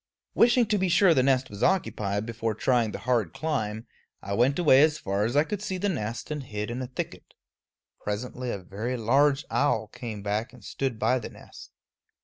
Wishing to be sure the nest was occupied before trying the hard climb, I went away as far as I could see the nest and hid in a thicket. Presently a very large owl came back and stood by the nest.